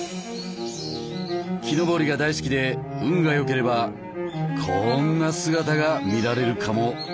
木登りが大好きで運がよければこんな姿が見られるかも。